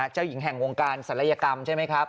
เจ้าหญิงแห่งวงการศัลยกรรมใช่ไหมครับ